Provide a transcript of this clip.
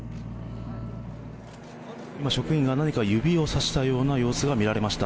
職員が何か指をさした様子が見られました。